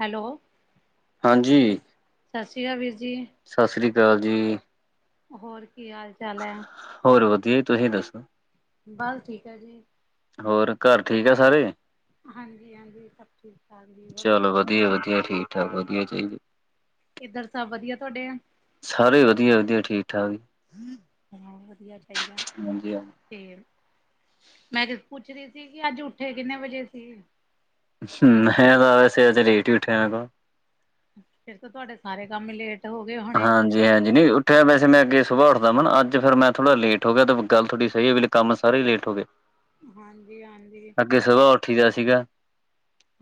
Hello, ਹਾਂਜੀ। ਸਤਿ ਸ਼੍ਰੀ ਅਕਾਲ ਵੀਰ ਜੀ। ਸਤਿ ਸ਼੍ਰੀ ਅਕਾਲ ਜੀ। ਹੋਰ ਕੀ ਹਾਲ- ਚਾਲ ਐ? ਹੋਰ ਵਧੀਆ ਈ ਤੁਸੀਂ ਦੱਸੋ? ਬਸ ਠੀਕ ਆ ਜੀ। ਹੋਰ ਘਰ ਠੀਕ ਆ ਸਾਰੇ? ਹਾਂਜੀ- ਹਾਂਜੀ, ਸਭ ਠੀਕ- ਠਾਕ ਜੀ। [unintelligible] ਹੋਰ ਵਧੀਆ ਜੀ। ਇੱਧਰ ਸਭ ਵਧੀਆ, ਤੁਹਾਡੇ ਐ? ਸਾਰੇ ਵਧੀਆ- ਵਧੀਆ, ਠੀਕ- ਠਾਕ। ਹਾਂ, ਵਧੀਆ ਚਾਹੀਦਾ। ਫੇਰ, ਮੈਂ ਤੇ ਪੁੱਛ ਰਹੀ ਸੀ ਕਿ ਅੱਜ ਉੱਠੇ ਕਿੰਨੇ ਵਜੇ ਸੀ? ਹੂੰ ਮੈ ਤਾਂ ਵੈਸੇ ਅੱਜ ਲੇਟ ਹੀ ਉਠਿਆ ਹੈਗਾ। ਫੇਰ ਤੋ ਤੁਹਾਡੇ ਸਾਰੇ ਕੰਮ ਹੀ ਲੇਟ ਹੋ ਗਏ ਹੋਣੇ। ਜੀ ਹਾਂਜੀ ਨਹੀਂ ਉਠਿਆ ਮੈਂ ਵੈਸੇ ਅੱਗੇ ਸੁਬਾਹ ਉੱਠਦਾ ਹੁੰਨਾ ਨਾ ਅੱਜ ਫੇਰ ਮੈਂ ਥੋੜਾ ਲੇਟ ਹੋ ਗਿਆ ਤਾਂ ਗੱਲ ਥੋਡੀ ਸਹੀ ਵੀ ਕੰਮ ਸਾਰੇ ਹੀ ਲੇਟ ਹੋ ਗਏ। ਹਾਂਜੀ- ਹਾਂਜੀ। ਅੱਗੇ ਸੁਬਾਹ ਉੱਠੀ ਦਾ ਸੀਗਾ।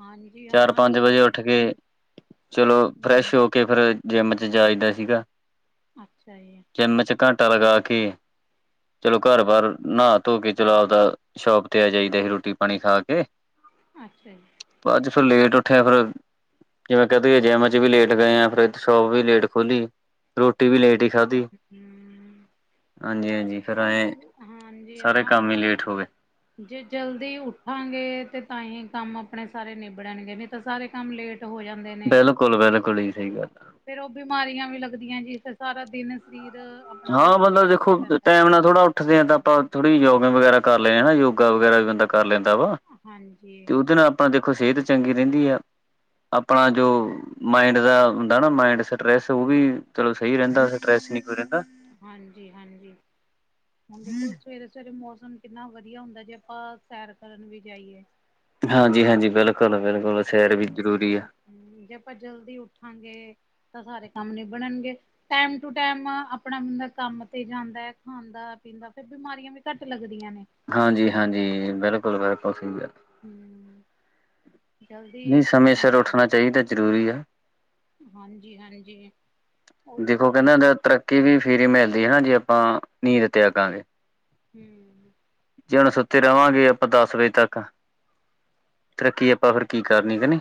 ਹਾਂਜੀ ਚਾਰ- ਹਾਂ ਪੰਜ ਵਜੇ ਜਲਦੀ ਉੱਠ ਕੇ, ਉੱਠਣ ਚਲੋ ਹੂੰ, ਫਰੈਸ਼ ਹੋ ਕੇ ਫੇਰ ਜਿੰਮ ਜਾ ਜਾਈਦਾ ਸੀਗਾ। ਅੱਛਾ ਜੀ। ਜਿੰਮ 'ਚ ਘੰਟਾ ਲਗਾ ਕੇ। ਚਲੋ, ਘਰ ਬਾਹਰ ਨਹਾ ਧੋ ਕੇ ਚਲੋ ਆਵਦਾ ਸੌਂਪ ਤੇ ਆ ਜਾਈਦਾ ਈ ਰੋਟੀ- ਪਾਣੀ ਖਾ ਕੇ। ਅੱਛਾ ਜੀ। ਪਰ ਅੱਜ ਫੇਰ ਲੇਟ ਉੱਠੇ ਆ ਫੇਰ, ਜਿਵੇਂ ਕਹਿ ਦੀਏ ਜਿੰਮ 'ਚ ਵੀ ਲੇਟ ਗਏ ਆ। ਫੇਰ ਸ਼ੋਪ ਵੀ ਲੇਟ ਖੋਲੀ, ਰੋਟੀ ਵੀ ਲੇਟ ਹੀ ਹ [inaudible] ਖਾਧੀ ਹਾਂਜੀ ਹਾਂਜੀ ਫਿਰ ਉਹੀ ਤਾਂ, ਐਂ ਗ ਹਾਂਜੀ ਸਾਰੇ ਹਾਂ। ਕੰਮ ਹੀ ਲੇਟ ਹੋ ਗਏ ਜੇ ਜਲਦੀ ਉੱਠਾਂਗੇ ਤੇ ਤਾਂ ਹੀ ਕੰਮ ਆਪਣੇ ਸਾਰੇ ਨਿਬੜਨਗੇ ਨੀ ਤਾਂ ਸਾਰੇ ਕੰਮ ਲੇਟ ਹੋ ਜਾਣ ਬਿਲਕੁਲ- ਬਿਲਕੁਲ ਜੀ, ਸਹੀ ਗੱਲ ਆ। ਫੇਰ ਉਹ ਬਿਮਾਰੀਆਂ ਵੀ ਲੱਗਦੀਆਂ ਜੀ, ਫੇਰ ਸਾਰਾ ਦਿਨ ਸਰੀਰ ਆਪਣਾ ਨਾ ਹਾਂ ਥੱਕਿਆ ਮਤਲਬ ਦੇਖੋ, ਥੱਕਿਆ ਰਹਿੰਦਾ। ਟਾਈਮ ਨਾਲ ਥੋੜਾ ਉੱਠਦੇ ਹਾ ਤਾਂ ਆਪਾਂ ਥੋੜੀ ਯੋਗਾ ਵਗੈਰਾ ਕਰ ਲੈਦੇ ਹਾ ਹਨਾ ਯੋਗਾ ਵਗੈਰਾ ਵੀ ਬੰਦਾ ਕਰ ਲੈਂਦਾ ਵਾ, ਤੇ ਹਾਂਜੀ, ਉਹਦੇ ਨਾਲ ਆਪਣਾ ਦੇਖੋ, ਸਿਹਤ ਚੰਗੀ ਰਹਿੰਦੀ ਆ। ਆਪਣਾ ਜੋ ਮਾਇੰਡ ਦਾ ਹੁੰਦਾ ਨਾ ਮਾਇੰਡ ਸਟਰੈਸ, ਉਹ ਵੀ ਚਲੋ ਸਹੀ ਰਹਿੰਦਾ ਸਟਰੈਸ ਨਹੀ ਕੋਈ ਰਹਿੰਦਾ। ਹਾਂਜੀ- ਹਾਂਜੀ, ਹੁਣ ਦੇਖੋ ਸਵੇਰੇ- ਸਵੇਰੇ ਮੌਸਮ ਕਿੰਨਾ ਵਧੀਆ ਹੁੰਦਾ ਜੇ ਆਪਾਂ ਸੈਰ ਕਰਨ ਵੀ ਜਾਈਏ। ਹਾਂਜੀ- ਹਾਂਜੀ, ਬਿਲਕੁਲ- ਬਿਲਕੁਲ। ਜੇ ਹੂੰ ਜੇ ਆਪਾਂ ਜਲਦੀ ਉੱਠਾਂਗੇ, ਤਾਂ ਸਾਰੇ ਕੰਮ ਨਿਬੜਨਗੇ। ਟੈਮ ਟੂ ਟੈਮ ਨਾ ਆਪਣਾ ਬੰਦਾ ਕੰਮ ਤੇ ਜਾਂਦਾ ਐ, ਖਾਂਦਾ- ਪੀਂਦਾ ਫੇਰ ਬਿਮਾਰੀਆਂ ਵੀ ਘੱਟ ਲੱਗਦੀਆਂ ਨੇ। ਹਾਂਜੀ- ਹਾਂਜੀ, ਬਿਲਕੁਲ- ਬਿਲਕੁਲ ਸਹੀ ਆ। ਹੂੰ ਨਈ ਸਮੇਂ ਸਰ ਉੱਠਣਾ ਚਾਈਦਾ, ਜ਼ਰੂਰੀ ਆ ਹਾਂਜੀ-ਆਂਜੀ, ਉਹੀ ਤਾਂ ਗੱਲ ਐ। ਕੀ ਵੀ ਫਿਰੇ ਮਿਲਦੀ ਆ, ਜੇ ਆਪਾਂ, ਨੀਂਦ ਤਿਆਗਾਂਗੇ ਹੂੰ ਜੇ ਹੁਣ ਸੁੱਤੇ ਰਵਾਂਗੇ ਆਪਾਂ ਦੱਸ ਵਜੇ ਤੱਕ ਤਰੱਕੀ ਆਪਾਂ ਫਿਰ ਕੀ ਕਰਨੀ ਕੇ ਨੀ।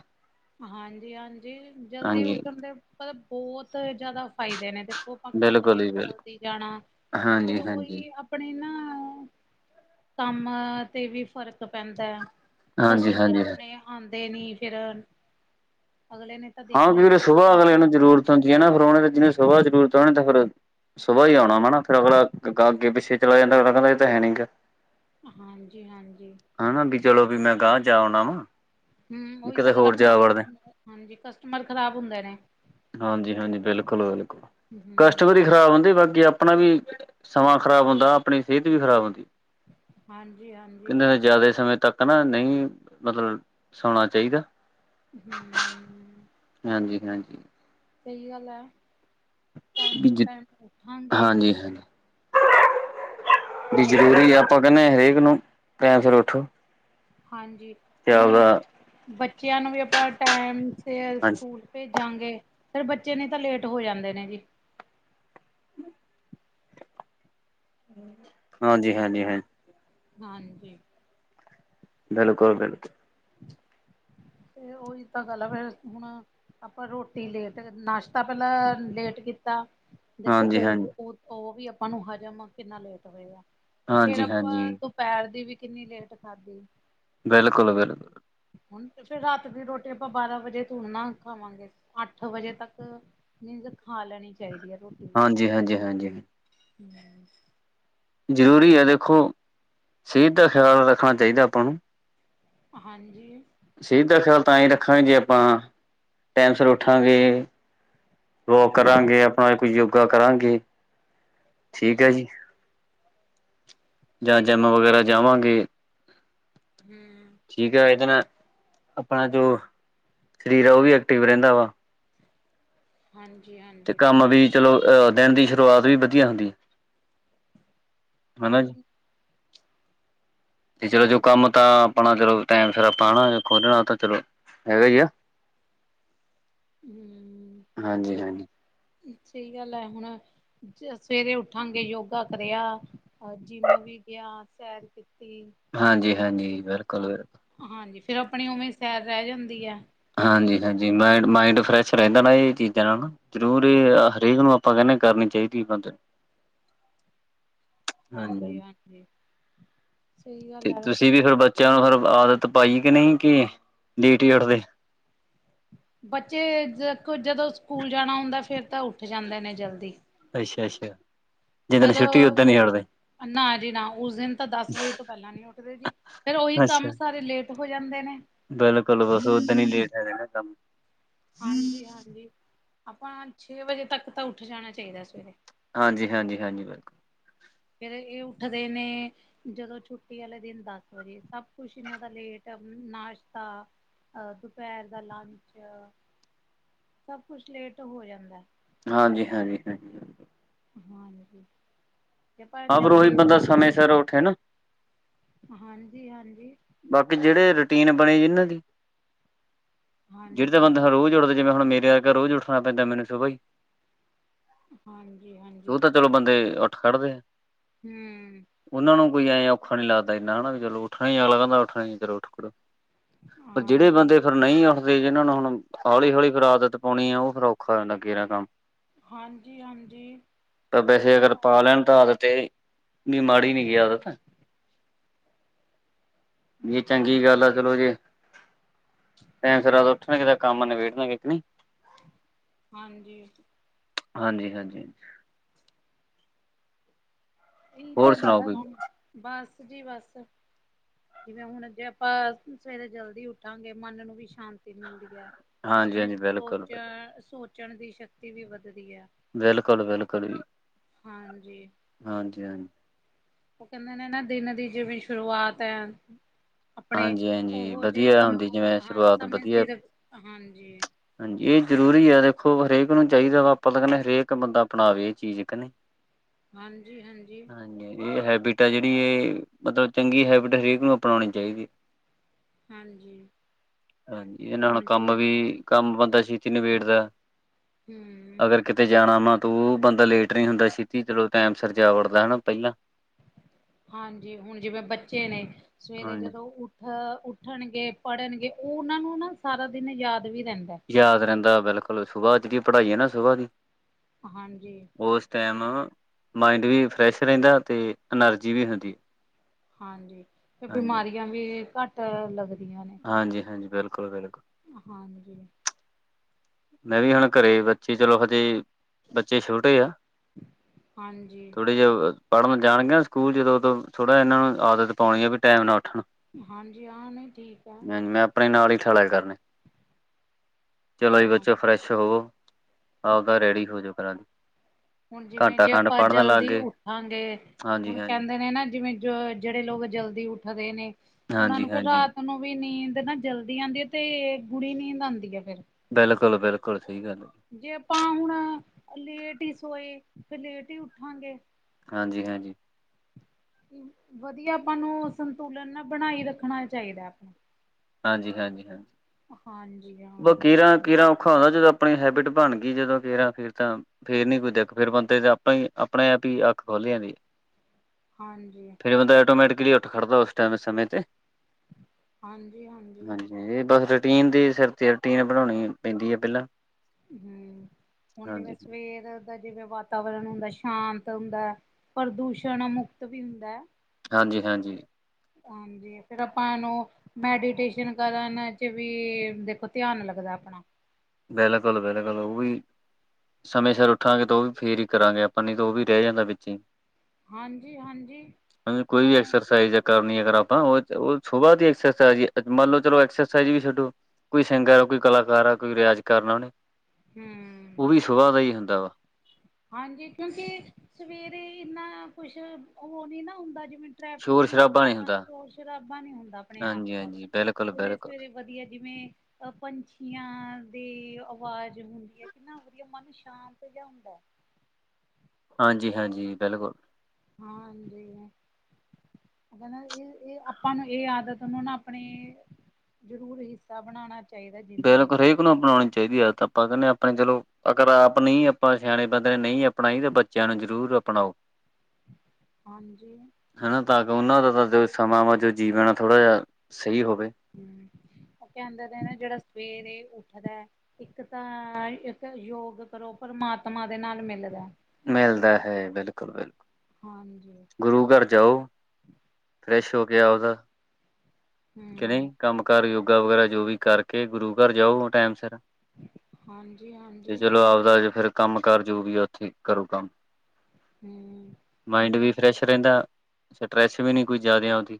ਹਾਂਜੀ ਆਂਜੀ, ਜਲਦੀ ਹਾਂਜੀ ਉੱਠਣ ਦੇ ਮਤਬ ਬੋਤ ਜਾਦਾ ਫਾਇਦੇ ਨੇ, ਦੇਖੋ ਆਪਾਂ ਕੰਮ ਤੇ, ਬਿਲਕੁਲ ਜੀ ਬਿਲਕੁਲ ਜਲਦੀ ਜਾਣਾ, ਫੇਰ ਹਾਂਜੀ-ਹਾਂਜੀ। ਓਈ ਅ ਪਣੇ ਨਾ, ਕੰਮ ਤੇ ਵੀ ਫ਼ਰਕ ਪੈਂਦੈ ਕਸਟਮਰ ਹਾਂਜੀ-ਹਾਂਜੀ ਆਪਣੇ ਆਂਦੇ ਨੀ ਫਿਰ, ਅਗਲੇ ਨੇ ਤਾਂ ਹਾਂ ਦੇਖਣਾ ਫਿਰ ਕਿ ਸੁਬਾਹ ਆਪਣੀ ਅਗਲੇ ਸ਼ੋਪ ਨੂੰ ਬੰਦ ਜ਼ਰੂਰਤ ਹੁੰਦੀ ਐ ਨਾ, ਫਿਰ ਓਨੇ ਤੇ ਜਿਨੇ ਸੁਬਾ ਜ਼ਰੂਰਤ ਓਨਾ ਨੇ ਤੇ ਫਿਰ ਸੁਬਾਈ ਆਉਣਾ ਵਾ ਨਾ ਫੇਰ ਅਗਲਾ, ਗਗਾ ਅੱਗੇ-ਪਿੱਛੇ ਚਲਾ ਯਾਦਾ [unintelligible] ਫੇ ਏ ਤਾਂ ਹੈ ਨੀ ਗਾ ਹਾਂਜੀ-ਹਾਂਜੀ। ਹਨਾ ਵੀ ਚਲੋ ਵੀ ਮੈਂ ਗਾ ਜਾ ਆਉਣਾ ਵਾ। ਹਮ, ਓਹੀ ਕਿਤੇ ਤਾਂ ਗੱਲ ਹੋਰ ਆਪਣੇ ਜਾ ਵੜਦੇ ਕਸਟਮਰ ਹਾਂਜੀ ਕਸਟਮਰ ਖਰਾਬ ਹੁੰਦੇ ਨੇ ਹਾਂਜੀ-ਹਾਂਜੀ, ਬਿਲਕੁਲ-ਬਿਲਕੁਲ, ਹਮ ਕਸਟਮਰ ਈ ਖਰਾਬ ਹੁੰਦੇ ਬਾਕੀ ਅ ਆਪਣਾ ਵੀ, ਸਮਾਂ ਖ਼ਰਾਬ ਹੁੰਦਾ ਆਪਣੀ ਸੇਤ ਵੀ ਖਰਾਬ ਹੁੰਦੀ ਹਾਂਜੀ-ਹਾਂਜੀ। ਅਣੇ ਜਾਦੇ ਸਮੇ ਤੱਕ ਨਾ ਨਈ, ਮਤਲਬ ਸੌਣਾ ਚਾਈਦਾ ਹੂੰ ਹਾਂਜੀ-ਹਾਂਜੀ। ਸਹੀ ਗੱਲ ਐ, ਟਾਮ ਟੂ ਵੀ ਟਾਮ ਉੱਠਾਂਗੇ। ਹਾਂਜੀ ਹਾਂਜੀ ਵੀ ਜਰੂਰੀ ਆਪਾਂ ਕੈੰਨੇ, ਹਏਕ ਨੂੰ ਟੈਮ ਸੇਰ ਉੱਠੋ। ਹਾਂਜੀ ਤੇ ਹੁਣ, ਆਪਦਾ ਬੱਚੇਆਂ ਨੂੰ ਵੀ ਅਪਾਂ ਟੈਮ ਸੇ ਹਾਂਜੀ ਸਕੂਲ ਭੇਜਾਂਗੇ, ਫੇਰ ਬੱਚੇ ਨੇ ਤਾਂ ਲੇਟ ਹੋ ਯਾਦੇ ਨੇ ਜੀ। ਹਾਂਜੀ-ਹਾਂਜੀ ਹਾਂ। ਹਾਂਜੀ। ਬਿਲਕੁਲ-ਬਿਲਕੁਲ। [inaudible] ਤੇ ਉਹੀ ਤਾਂ ਗੱਲ ਐ ਫੇਰ, ਹੁਣ ਆਪਾਂ ਰੋਟੀ ਲੇਟ, ਨਾਸ਼ਤਾ ਪਲਾ ਲੇਟ ਕੀਤਾ। ਦੇਖੋ ਹਾਂਜੀ ਓ, ਹਾਂਜੀ ਓ ਓਵੀ ਆਪਾਂ ਨੂੰ ਹਜਮ, ਕਿੰਨਾ ਲੇਟ ਹੋਏਆ, ਫੇਰ ਹਾਂਜੀ ਆਪਾ ਹਾਂਜੀ ਦੋ ਪੈਰ ਦੀ ਵੀ ਕਿੰਨੀ ਲੇਟ ਖਾਧੀ। ਬੇਲਕੁਲ-ਬੇਲਕੁਲ। ਹੁਣ ਤੇ ਫੇਰ ਰਾਤ ਦੀ ਰੋਟੀ ਆਪਾਂ ਬਾਰਾਂ ਵਜੇ ਥੋੜ ਨਾ ਖਾਵਾਂਗੇ, ਅੱਠ ਵਜੇ ਤੱਕ ਨੀ ਤੇ ਖਾ ਲੈਣੀ ਚਾਈਦੀ ਏ ਰੋਟੀ। ਹਾਂਜੀ, ਹਾਂਜੀ, ਹਾਂਜੀ। ਹੂੰ। ਜ਼ਰੂਰੀ ਐ ਦੇਖੋ, ਸੇਤ ਦਾ ਖੇਆਲ ਰੱਖਣਾ ਚਾਈਦਾ ਆਪਾ ਨੂੰ। ਹਾਂਜੀ। ਸੇਤ ਦਾ ਖੇਆਲ ਤਾਂ ਏ ਰੱਖਾਂਗੇ ਜੇ ਆਪਾ, ਟੈਮ ਸੇਰ ਉੱਠਾਂਗੇ। ਵੋਕ ਕਰਾਂਗੇ ਅਪਾ, ਕੁਝ ਯੋਗਾ ਕਰਾਂਗੇ, ਠੀਕ ਐ ਹਾਂ ਜੀ। ਜਾਂ ਸਹੀ ਜਿੰਮ ਗੱਲ ਵਗੈਰਾ ਜਾਵਾਂਗੇ। ਹੂੰ। ਠੀਕ ਐ, ਇਦੇ ਨਾਲ ਆਪਨਾ ਜੋ ਸਰੀਰ ਐ ਓ ਵੀ ਐਕਟਿਵ ਰੈੰਦਾ ਵਾ। ਹਾਂਜੀ ਹਾਂ ਤੇ ਕੰਮ ਵੀ ਚਲੋ ਅਹ ਦਿਨ ਦੀ ਸ਼ੁਰੂਆਤ ਵੀ ਵਦੀਆ ਹੁੰਦੀ। ਹਨਾ ਜੀ ਹਾਂਜੀ। ਤੇ ਚਲੋ ਜੋ ਹੋਰ ਕੰਮ ਤਾਂ, ਆਪਨਾ ਚਲੋ ਟੈਮ ਸਿਰ ਆਪਾਂ ਖੋਲਣਾ ਤਾਂ ਚਲੋ ਹੈਗਾ ਈ ਐ। ਹੂੰ। ਹਾਂਜੀ-ਹਾਂਜੀ। ਸਈ ਗੱਲ ਐ ਹੁਣ ਸਵੇਰੇ ਉੱਠਾਂਗੇ ਯੋਗਾ ਕਰੇਆ। ਅ ਜਿੰਮ ਵੀ ਗੇਆ ਸੈਰ ਕੀਤੀ। ਹਾਂਜੀ-ਹਾਂਜੀ, ਬਿਲਕੁਲ-ਬਿਲਕੁਲ। ਹਾਂਜੀ, ਫੇਰ ਆਪਨੀ ਉਵੇਂ ਸੈਰ ਰੈਹ ਜਾਂਦੀ ਐ। ਹਾਂਜੀ- ਹਾਂਜੀ ਮਾਈਂਡ, ਮਾਈਂਡ ਫਰੈਸ਼ ਰੈਂਦਾ ਨਾ ਏਹ ਚੀਜਾਂ ਨਾਲ ਨਾ। ਜਰੂਰੀ ਏਹ ਹਰੇਕ ਨੂੰ ਆਪਾਂ ਕੇਨੇ ਕਰਨੀਂ ਚਾਈਦੀ ਬੰਦੇ ਹਾਂਜੀ ਹਾਂ, ਸਹੀ ਗੱਲ ਤੇ ਹੈ ਤੁਸੀ ਵੀ ਫੇਰ ਬੱ ਚੇਆਂ ਨੂੰ, ਫੇਰ ਆਦਤ ਪਾਈ ਕਿ ਨਈਂ ਕਿ ਲੇਟ ਈ ਉੱਠਦੇ। ਬੱਚੇ, ਦੇਖੋ ਜਦੋਂ ਸਕੂਲ ਜਾਣਾ ਹੁੰਦੈ ਫੇਰ ਤਾਂ ਉੱਠ ਜਾਂਦੇ ਨੇ ਜਲਦੀ ਅੱਸ਼ਾ-ਅੱਸ਼ਾ। ਜਿਦਨ ਜਦੋਂ ਛੁੱਟੀ ਓਦਨ ਨੀਂ ਉੱਠਦੇ ਨਾ ਜੀ ਨਾ, ਓਸ ਦਿਨ ਤਾਂ ਦਸ ਵਜੇ ਤੋਂ ਪੈਲਾਂ ਨੀ ਉੱਠਦੇ ਜੀ, ਫੇਰ ਓਹੀ ਕੰਮ ਅੱਛਾ ਸਾਰੇ ਲੇਟ ਹੋ, ਜਾਂਦੇ ਨੇ। ਬਿਲਕੁਲ ਬਸ ਓਦਨ ਈ ਲੇਟ ਹੋ ਜਾਂਦੇ ਨ ਕੰਮ ਹਾਂਜੀ- ਹਾਂਜੀ ਆਪਾਂ ਛੇ ਵਜੇ ਤੱਕ ਤਾਂ ਉੱਠ ਜਾਨਾ ਚਾਈਦਾ ਸਵੇਰੇ ਹਾਂਜੀ -ਹਾਂਜੀ, ਹਾਂਜੀ ਬਿਲਕੁਲ। ਫੇਰ ਏਹ ਉੱਠਦੇ ਨੇ ਜਦੋਂ ਛੁੱਟੀ ਆਲੇ ਦਿਨ ਦਸ ਵਜੇ, ਸਬ ਕੁਛ ਇਨਾਂ ਦਾ ਲੇਟ ਨਾਸ਼ਤਾ ਅ ਦੁਪੈਹਰ ਦਾ ਲੰਚ, ਸਬ ਕੁਛ ਲੇਟ ਹੋ ਜਾਂਦੈ। ਹਾਂਜੀ- ਹਾਂਜੀ, ਹਾਂਜੀ ਹਾਂ। ਹਾਂਜੀ [unintelligible] ਤੇ ਪਰ ਹਾਂ, ਫਿਰ ਓਹੀ ਜਲਦੀ ਬੰਦਾ ਉੱਠ ਸਮੇਂ ਸਿਰ ਉੱਠੇ ਨਾ ਹਾਂਜੀ-ਹਾਂਜੀ। ਬਾਕੀ ਜੇੜੇ ਰੂਟੀਨ ਬਣੀ ਜਿਨਾਂ ਦੀ ਜੇੜੀ ਤਾਂ ਹਾਂਜੀ ਬੰਦਾ ਰੋਜ ਉਠ ਜਿਵੇਂ ਹੁਨ ਮੇਰੇ ਵਰਗਾ ਰੋਜ ਉੱਠਣਾ ਪੈਂਦੈ ਮੈਨੂੰ ਸੁਬਾ ਈ ਹਾਂਜੀ ਸੋ ਹਾਂਜੀ ਤਾਂ ਚਲੋ ਬੰਦੇ ਉੱਠ ਖੜਦੇ ਐ। ਹੂੰ। ਓਨਾ ਨੂੰ ਕੋਈ ਐਂ ਔਖਾ ਨੀਂ ਲੱਗਦਾ ਇੰਨਾ ਨਾ ਵੀ ਚਲੋ ਉੱਠਣਾ ਈ ਐ, ਅਗਲਾ ਕੈੰਦਾ ਉੱਠਣਾ ਮੈੰ ਉੱਠਣਾ ਈ ਐ ਚਲੋ ਉੱਠ ਖੜੋ। ਫੇਰ ਜੇੜੇ ਹਾਂਜੀ ਬੰਦੇ ਫੇਰ ਨਈਂ ਉਠਦੇ ਜਿਨਾਂ ਨੂੰ ਹੁਨ ਹੌਲੀ- ਹੌਲੀ ਫਿਰ ਆਦਤ ਪੋਨੀ ਐ ਓ ਫਿਰ ਔਖਾ ਹੋ ਜਾਂਦੈ ਅੱਗੇ ਕੇਰਾਂ ਕੰਮ। ਹਾਂਜੀ ਹਾਂਜੀ ਵੈਸੇ ਇਹ ਅਗਰ ਤਾਂ ਪਾ ਹੈ ਲੈਨ ਤਾਂ ਆਦਤ ਏਹ ਨੀਂ ਮਾੜੀ ਨੀਂ ਗੀ ਆਦਤ ਜੀ ਚੰਗੀ ਹਾਂਜੀ ਗੱਲ ਐ, ਚਲੋ ਜੇ ਟੈਮ ਸਿਰ ਆਪਦਾ ਉਠਣਗੇ ਤੇ ਕੰਮ ਨਿਬੇੜਨਗੇ, ਕਿ ਨਈਂ ਹਾਂਜੀ। ਹਾਂਜੀ- ਹਾਂਜੀ ਏਹੀ ਹੋਰ ਤਾਂ ਗੱਲ ਸੁਣਾਓ ਐ ਕੋਈ ਹੁਨ ਬਸ ਜੀ ਬਸ। ਜਿਵੇਂ ਹੁਨ ਜੇ ਆਪਾਂ ਸਵੇਰੇ ਜਲਦੀ ਉੱਠਾਂਗੇ ਮਨ ਨੂੰ ਵੀ ਸ਼ਾਂਤੀ ਮਿਲਦੀ ਐ। ਆਪਣੇ ਹਾਂਜੀ-ਹਾਂਜੀ ਬਿਲਕੁਲ ਸੋਚ ਬਿਲ ਸੋਚਣ ਦੀ ਸ਼ਕਤੀ ਵੀ ਵੱਧਦੀ ਹੈ। ਬਿਲਕੁਲ -ਬਿਲਕੁਲ ਜੀ ਹਾਂਜੀ ਹਾਂਜੀ- ਹਾਂਜੀ! ਉਹ ਕਹਿੰਦੇ ਨੇ ਨਾ ਦਿਨ ਦੀ ਜਿਵੇਂ ਸ਼ੁਰੂਆਤ ਆ ਆਪਣੇ ਹਾਂਜੀ-ਹਾਂਜੀ ਉਹੋ ਜਿਹੇ ਵਧੀਆ ਕੰਮ ਹੁੰਦੀ ਜਿਵੇਂ ਹ ਸ਼ੁਰੂਆਤ ਸਮੇ ਵਧੀਆ ਸਿਰ ਹਾਂਜੀ। ਹਾਂਜੀ, ਇਹ ਜ਼ਰੂਰੀ ਆ ਦੇਖੋ ਹਰੇਕ ਨੂੰ ਚਾਹੀਦਾ ਵਾ, ਆਪਾਂ ਤਾਂ ਕਹਿੰਦੇ ਹਰੇਕ ਬੰਦਾ ਅਪਣਾਵੇ ਇਹ ਚੀਜ਼ ਕਿ ਨਹੀ। ਹਾਂ ਜੀ- ਹਾਂ ਜੀ! ਇਹ ਹੈਬਿਟ ਜਿਹੜੀ ਮਤਲਬ ਚੰਗੀ ਹੈਬਿਟ ਹਰੇਕ ਨੂੰ ਅਪਣਾਉਣੀ ਚਾਹੀਦੀ ਹੈ। ਹਾਂਜੀ ਹਾਂਜੀ ਇਹਨਾਂ ਹੁਣ ਕੰਮ ਵੀ ਕੰਮ ਬੰਦਾ ਛੇਤੀ ਨਿਬੇੜਦੈ। ਹੂੰ। ਅਗਰ ਕਿਤੇ ਜਾਣਾ ਵਾ ਤੂੰ ਬੰਦਾ ਲੇਟ ਨਹੀਂ ਹੁੰਦਾ ਛੇਤੀ ਚਲੋ ਟਾਈਮ ਸਿਰ ਜਾ ਵੜਦਾ ਹਨਾ। ਪਹਿਲਾਂ ਹਾਂਜੀ ਹੁਣ ਜਿਵੇਂ ਬੱਚੇ ਨੇ ਸਵੇਰੇ ਹਾਂਜੀ ਜਦੋਂ ਉਠ ਉੱਠਣਗੇ, ਪੜ੍ਹਨਗੇ, ਉਹ ਉਹਨਾਂ ਨੂੰ ਨਾ ਸਾਰਾ ਵੀ ਰਹਿੰਦਾ। ਯਾਦ ਰਹਿੰਦਾ ਬਿਲਕੁਲ, ਸੁਭਾ ਦੀ ਪੜ੍ਹਾਈ ਹੈ ਨਾ ਸੁਭਾ ਦੀ। ਹਾਂਜੀ। ਉਸ ਟਾਈਮ ਮਾਇੰਡ ਵੀ ਫਰੈਸ਼ ਰਹਿੰਦਾ ਤੇ ਐਨਰਜੀ ਵੀ ਹੁੰਦੀ ਹੈ। ਹਾਂਜੀ ਤੇ ਹਾਂਜੀ। ਬਿਮਾਰੀਆਂ ਵੀ ਘੱਟ ਲੱਗਦੀ ਹਾਂਜੀ -ਹਾਂਜੀ, ਬਿਲਕੁਲ -ਬਿਲਕੁਲ। ਹਾਂਜੀ। ਮੈਂ ਵੀ ਹੁਣ ਘਰੇ ਬੱਚੀ, ਚਲੋ ਹਜੇ ਬੱਚੇ ਛੋਟੇ ਆ। ਹਾਂਜੀ ਥੋੜੇ ਜੇ ਪੜ੍ਹਨ ਜਾਣਗੇ ਨਾ ਸਕੂਲ ਜਦੋਂ ਤੋ, ਥੋੜ੍ਹਾ ਇਹਨਾਂ ਨੂੰ ਆਦਤ ਪਾਉਣੀ ਆ ਵੀ ਟਾਈਮ ਉੱਠਣਾ। ਹਾਂਜੀ, ਆਹ ਨਹੀਂ ਠੀਕ ਆ। ਮੈਂ ਆਪਣੇ ਨਾਲ ਹੀ ਠਾ ਲਿਆ ਕਰਨੇ, ਚਲੋ ਜੀ ਬੱਚੇ ਹਾਂ ਫਰੈਸ਼ ਹੋਵੋ, ਆਵਦਾ ਰੈਡੀ ਹੋ ਜਾਓ ਕਰਾ ਦੀ। ਹੁਣ ਜਿਵੇਂ ਘੰਟਾ ਜੇ ਖੰਡ ਆਪਾਂ ਪੜ੍ਹਨ ਲੱਗ ਜਲਦੀ ਗਏ ਉੱਠਾਂਗੇ, ਹਾਂਜੀ ਹੁਣ ਹਾਂਜੀ ਕਹਿੰਦੇ ਨੇ ਨਾ ਜਿਵੇਂ ਜੋ ਜਿਹੜੇ ਲੋਕ ਜਲਦੀ ਉੱਠਦੇ ਨੇ, ਉਹਨਾਂ ਨੂੰ ਹਾਂਜੀ ਫਿਰ ਹਾਂਜੀ ਰਾਤ ਉਹਨੂੰ ਵੀ ਨੀਂਦ ਨਾ ਜਲਦੀ ਆਂਦੀ ਏ ਤੇ ਗੁੜੀ ਨੀਂਦ ਆਂਦੀ ਏ ਫਿਰ। ਬਿਲਕੁਲ -ਬਿਲਕੁਲ ਸਹੀ ਗੱਲ। ਜੇ ਆਪਾਂ ਹੁਣ ਲੇਟ ਹੀ ਸੋਏ, ਫਿਰ ਲੇਟ ਹੀ ਉੱਠਾਂਗੇ। ਹਾਂਜੀ -ਹਾਂਜੀ! ਵਧੀਆ, ਆਪਾਂ ਨੂੰ ਸੰਤੁਲਨ ਨਾ ਬਣਾਈ ਰੱਖਣਾ ਚਾਹੀਦਾ ਆਪਣਾ। ਹਾਂਜੀ -ਹਾਂਜੀ- ਹਾਂਜੀ! ਹਾਂਜੀ ਹਾਂ। ਬਸ ਕੇਰਾ- ਕੇਰਾ ਔਖਾ ਹੁੰਦਾ, ਜਦੋਂ ਆਪਣੀ ਹੈਬਿਟ ਬਣ ਗਈ ਜਦੋਂ ਕੀਰਾਂ ਫਿਰ ਤਾਂ ਫੇਰ ਨੀ ਕੋਈ ਦਿਕਤ, ਫਿਰ ਬੰਦੇ ਤੇ ਆਪਣੇ ਹੀ ਆਪਣੇ ਆਪ ਹੀ ਅੱਖ ਖੋਲ ਜਾਂਦੀਆ। ਹਾਂਜੀ। ਫਿਰ ਬੰਦਾ ਐਟੋਮੈਟਿਕਲੀ ਉੱਠ ਖੜ੍ਹਦਾ ਉਸ ਟਾਇਮ ਸਮੇਂ ਤੇ। ਹਾਂਜੀ- ਹਾਂਜੀ! ਇਹ ਬਸ ਰੂਟੀਨ ਦੇ ਸਿਰ ਤੇ ਆ, ਰੂਟੀਨ ਬਣਾਉਣੀ ਪੈਂਦੀ ਹੈ ਪਹਿਲਾਂ। ਹੂੰ ਹੁਣ ਜਿਵੇਂ ਹਾਂਜੀ, ਸਵੇਰ ਜਿਵੇਂ ਵਾਤਾਵਰਨ ਹੁੰਦਾ, ਸ਼ਾਂਤ ਹੁੰਦਾ, ਪ੍ਰਦੂਸ਼ਣ ਮੁਕਤ ਵੀ ਹੁੰਦਾ। ਹਾਂਜੀ -ਹਾਂਜੀ! ਹਾਂਜੀ, ਫੇਰ ਆਪਾ ਇਹਨੂੰ ਮੈਡੀਟੇਸਨ ਕਰਨ ਚ ਵੀ ਦੇਖੋ ਧਿਆਨ ਲੱਗਦਾ ਆਪਣਾ। ਬਿਲਕੁਲ -ਬਿਲਕੁਲ ਉਹ ਵੀ। ਸਮੇਂ ਸਿਰ ਉੱਠਾਂਗੇ ਤੋ ਓ ਵੀ ਫੇਰ ਹੀ ਕਰਾਂਗੇ ਆਪਾਂ ਨੀ ਤਾਂ ਓ ਵੀ ਰੈ ਜਾਂਦਾ ਵਿਚੇ ਈ। ਹਾਂਜੀ ਹਾਂਜੀ [unintelligible] ਹੁਣ ਕੋਈ ਵੀ ਐਕਸਰਸਾਈਜ਼ ਕਰਨੀਆ ਅਗਰ ਆਪਾਂ ਓ, ਓ ਸੁਬਾਅ ਦੀ ਐਕਸਰਸਾਈਜ਼ ਈ ਆ ਮੰਨ ਲੋ ਚਲੋ ਐਕਸਰਸਾਈਜ਼ ਵੀ ਛੱਡੋ ਕੋਈ ਸਿੰਗਰ ਆ ਕੋਈ ਕਲਾਕਾਰ ਆ ਕੋਈ ਰੇਆਜ ਕਰਨਾ ਓਨੇ ਹੂੰ। ਓ ਵੀ ਸੁਬਾਅ ਦਾ ਈ ਹੁੰਦਾ। ਹਾਂਜੀ ਕੇਉਂਕੀ ਸਵੇਰੇ ਈਨਾ ਕੁਛ, ਓ ਨੀ ਨਾ ਹੁੰਦਾ ਜਿਵੇ ਟਰੈਫਿਕ ਨੀ ਹੁੰਦਾ, ਸ਼ੋਰ ਸ਼ਰਾਬਾ ਨੀ ਹੁੰਦਾ ਆਪਣੇ ਆਸ-ਪਾਸ, ਹਾਂਜੀ-ਹਾਂਜੀ, ਬਿਲਕੁਲ-ਬਿਲਕੁਲ, ਸਵੇਰੇ-ਸਵੇਰੇ ਵਦੀਆ ਜਿਵੇਂ ਅ ਪੰਛੀਆਂ ਦੀ ਆਵਾਜ਼ ਹੁੰਦੀਆ ਕਿੰਨਾ ਵਦੀਆ ਮਨ ਸ਼ਾਂਤ ਜੇ ਹੁੰ [unintelligible] ਹਾਂਜੀ-ਹਾਂਜੀ ਬਿਲਕੁਲ। ਹਾਂਜੀ। [unintelligible] ਏ ਏ ਆਪਾਂ ਨੂੰ ਏ ਆਦਤ ਨੂੰ ਨਾ ਅਪਨੇ ਜ਼ਰੂਰ ਹਿੱਸਾ ਬਣਾਣਾ [unintelligible] [unintelligible] ਅਪਣਾਉਣੀ ਚਾਈਦੀ ਆਦਤ ਆਪਾਂ ਕੈਨੇ ਆਪਣੇ ਚਲੋ, ਅਗਰ ਆਪ ਨੀ ਆਪਾਂ ਸਿਆਣੇ ਬੰਦੇ ਨੇ ਨਈ ਅ ਣਾਈ, ਤੇ ਬੱਚੇਆਂ ਨੂੰ ਜ਼ਰੂਰ ਅਪਣਾਓ। ਹਾਂਜੀ। ਹਨਾ ਤਾਂ ਕੈ ਓਨਾਂ ਦਾ ਤਾਂ ਜੋ ਸਮਾਂ ਵਾ ਜੋ ਜੀਵਨ ਆ ਥੋੜਾ ਜੇਆ ਸਈ ਹੋਵੇ। ਹੂੰ, ਓ ਕੈਦੇ ਨਾ ਜੇੜਾ ਸਵੇਰੇ ਉੱਠਦੈ ਇਕ ਤਾਂ, ਇਕ ਯੋਗ ਕਰੋ ਪਰਮਾਤਮਾ ਦੇ ਨਾਲ ਮਿਲਰਾ ਮਿਲਦਾ ਹੈ, ਬਿਲਕੁਲ-ਬਿਲਕੁਲ। ਹਾਂਜੀ। ਗੁਰੂ ਘਰ ਜਾਓ, ਫਰੈਸ਼ ਹੋ ਕੇ ਆਵਦਾ ਹੂੰ। ਨਈ, ਕੰਮ-ਕਾਰ ਯੋਗਾ ਵਗੈਰਾ ਜੋ ਵੀ ਕਰਕੇ ਗੁਰੂਘਰ ਜਾਓ, ਹੁਣ ਟੈਮ ਸਿਰ। ਤੇ ਹਾਂਜੀ-ਹਾਂਜੀ, ਚਲੋ ਆਵਦਾ ਜੀ ਫੇਰ ਕੰਮ-ਕਾਰ ਜੋ ਵੀ ਆ ਓਥੇ ਕਰੋ ਕੰਮ, ਹੂੰ। ਹੁਣ ਮਾਇੰਡ ਜਿਵੇਂ ਵੀ ਫਰੈਸ਼ ਰੈਦਾ ਸਟਰੈਸ ਵੀ ਨੀ ਕੋਈ ਜਾਦੇ ਓਂਦੀ।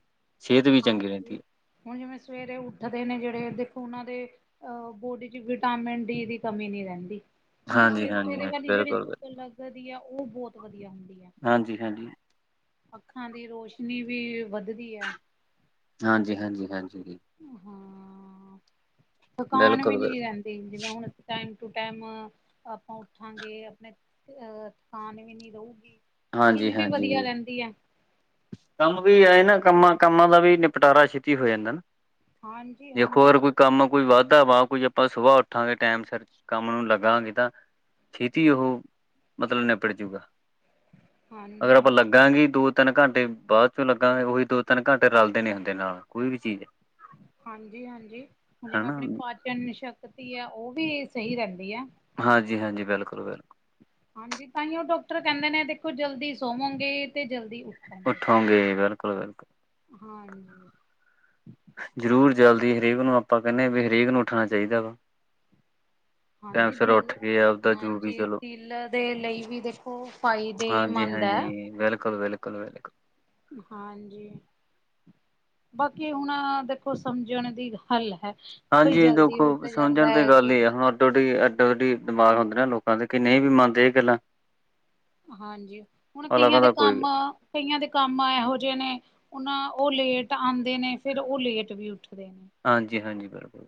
ਹਾਂਜੀ, ਹੁਨ ਜਿਵੇਂ ਸਵੇਰੇ ਉੱਠਦੇ ਨੇ ਜੇੜੇ ਦੇਖੋ ਓਨਾਂ ਦੇ ਆ, ਬੋਡੀ ਚ ਵਿਟਾਮਿਨ ਡੀ ਦੀ ਕਮੀ ਨੀ ਰੈਂਦੀ। ਹੈ ਕਿਉਂਕਿ ਹਾਂਜੀ ਹਾਂਜੀ ਸਵੇਰੇ-ਸਵੇਰੇ ਹਾਂਜੀ ਵਾਲੀ ਜੇੜੀ ਬਿਲਕੁਲ ਧੁੱਪ ਬਿਲਕੁਲ ਲੱਗਦੀ ਆ ਓ ਬਹੁਤ ਵਦੀਆ ਹੁੰਦੀ ਐ। ਹਾਂਜੀ-ਹਾਂਜੀ। ਅੱਖਾਂ ਦੀ ਰੋਸ਼ਨੀ ਵੀ ਵੱਦਦੀ ਏਐ। ਹਾਂਜੀ-ਹਾਂਜੀ, ਹਾਂਜੀ ਜੀ। ਹਾਂ, ਥਕਾਨ ਵੀ ਬਿਲਕੁਲ ਨੀ ਬਿਲਕੁਲ ਰੈਂ ਦੀ ਜਿਵੇਂ ਹੁਣ ਅਸੀਂ ਟਾਈਮ ਟੂ ਟਾਈਮ ਆਪਾਂ ਉੱਠਾਂਗੇ ਆਪਣੇ ਆ ਕਾਨ ਵੀ ਨੀ ਰਉਗੀ, ਹਾਂਜੀ ਕਿਨ ਵੀ ਵਦੀਆ ਹਾਂਜੀ ਰੈਂਦੀ ਐ ਕੰਮ ਵੀ ਐ ਨਾ ਕੰਮਾਂ ਕੰਮਾਂ ਦਾ ਵੀ ਨਿਪਟਾਰਾ ਛੇਤੀ ਹੋ ਜਾਂਦਾ ਨਾ। ਹਾਂਜੀ ਦੇਖੋ ਅਗਰ ਹਾਂਜੀ ਕੋ ਕੰਮ ਕੋਈ ਵਾਦਾ ਵਾ ਕੋਈ ਆਪਾਂ ਸੁਬਾ ਉੱਠਾਂਗੇ ਟਾਈਮ ਸਿਰ, ਕੰਮ ਨੂੰ ਲੱਗਾਂਗੇ ਤਾਂ ਛੇਤੀ ਉਹ, ਮਤਲਵ ਨਿਬੜ ਜੂਗਾ, ਅਗਰ ਹਾਂਜੀ ਆਪਾਂ ਹਾਂ ਲੱਗਾਂਗੇ ਈ ਦੋ ਤਿੰਨ ਘੰਟੇ ਬਾਦ ਚੋਂ ਲੱਗਾਂਗੇ, ਓਹੀ ਦੋ-ਤਿਨ ਘੰਟੇ ਰਲਦੇ ਨੇ ਹੁੰਦੇ ਨਾਲ ਕੋਈ ਵੀ ਚੀਜ਼ ਹਾਂਜੀ-ਹਾਂਜੀ ਹੁਣ ਜਿਵੇਂ ਹਨਾ ਆਪਣੀ ਜਨ ਸ਼ਕਤੀ ਆ ਓ ਵੀ ਸਈ ਰੈਂਦੀ ਐ। ਹਾਂਜੀ-ਹਾਂਜੀ ਬਿਲਕੁਲ-ਬਿਲਕੁਲ ਹਾਂਜੀ ਤਾਂਹੀ ਓ ਡਾਕਟਰ ਕੈਂਨੇ ਨੇ ਦੇਖੋ ਜਲਦੀ ਸੋਵੋਗੇ ਤੇ ਜਲਦੀ ਉ ਉੱਠੋਂਗੇ ਬਿਲਕੁਲ-ਬਿਲਕੁਲ ਹਾਂਜੀ ਜ਼ਰੂਰ ਜਲਦੀ ਹਰੇਕ ਨੂੰ ਆਪਾਂ ਕੈਂਨੇ ਆ ਵੀ ਹਰੇਕ ਨੂੰ ਉੱਠਣਾ ਚਾਹੀਦਾ ਵਾ। [inaudible] ਟਾਈਮ ਹਾਂਜੀ ਸਿਰ ਦਿਲ ਉੱਠ ਕੇ ਆਪਦਾ ਜੋ ਵੀ ਹਾਂਜੀ ਚਲੋ ਦਿਲ ਦੇ ਲਈ ਵੀ ਦੇਖੋ ਫਾਇਦੇਮੰਦ ਐ। ਬਿਲਕੁਲ-ਬਿਲਕੁਲ-ਬਿਲਕੁਲ ਹਾਂਜੀ ਬਾਕੀ ਹੁਣ ਦੇਖੋ ਸਮਝਣ ਦੀ ਹੱਲ ਹੈ। ਕੋਈ ਹਾਂਜੀ ਜਲਦੀ ਦੇਖੋ ਉੱਠ ਜਾਂਦਾ ਸਮਝਣ ਤੇ ਹੈ ਗੱਲ ਕੋਈ ਈ ਆ ਹੁਣ ਥੋਡੀ ਐੱਡੋ-ਅੱਡੀ ਦਿਮਾਗ ਹੁੰਦੇ ਨੇ ਲੋਕਾਂ ਦੇ ਕਈ ਨਈ ਵੀ ਮੰਨਦੇ ਏ ਗੱਲਾਂ ਹਾਂਜੀ ਹੁਣ ਅਲਗ ਕਈਆਂ ਦੇ ਦਾ ਕੋਈ ਕੰਮ-ਕਈਆਂ ਦੇ ਕੰਮ ਇਹੋ ਜੇ ਨੇ ਉਨਾਂ ਓ ਲੇਟ ਆਂਦੇ ਨੇ ਫਿਰ ਓ ਲੇਟ ਵੀ ਉੱਠਦੇ ਨੇ ਹਾਂਜੀ-ਹਾਂਜੀ ਬਿਲਕੁਲ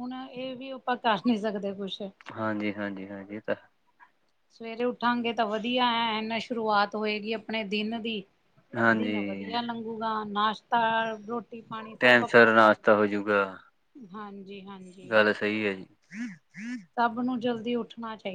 ਹੁਣ ਏ ਵੀ ਆਪਾਂ ਦਸ ਨਈ ਸਕਦੇ ਕੁਛ ਹਾਂਜੀ-ਹਾਂਜੀ-ਹਾਂਜੀ ਤਾਂ ਸਵੇਰੇ ਉੱਠਾਂਗੇ ਤਾਂ ਵਧੀਆ ਐਂ ਨਾ ਸ਼ੁਰੂਆਤ ਹੋਏਗੀ ਆਪਣੇ ਦਿਨ ਦੀ ਦਿਨ ਹਾਂਜੀ ਵਧੀਆ ਲੰਘੂਗਾ ਨਾਸ਼ਤਾ ਰੋਟੀ ਰੋਟੀ ਪਾਣੀ ਟਾਈਮ ਸਭ ਸਿਰ ਆਪਣਾ ਨਾਸ਼ਤਾ ਹੋਜੂਗਾ [unintelligible] ਹਾਂਜੀ-ਹਾਂਜੀ ਗੱਲ ਸਹੀ ਹੈ ਜੀ ਸਭ ਨੂੰ ਜਲਦੀ ਉੱਠਣਾ ਚਾਈਦਾ।